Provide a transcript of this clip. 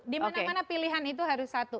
dimana mana pilihan itu harus satu